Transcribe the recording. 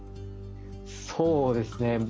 そうですね。